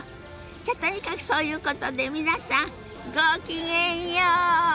じゃとにかくそういうことで皆さんごきげんよう！